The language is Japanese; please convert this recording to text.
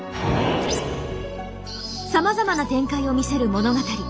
さまざまな展開を見せる物語。